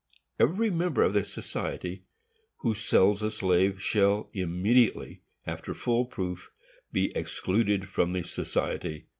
Every member of the society who sells a slave shall, immediately after full proof, be excluded from the society, &c.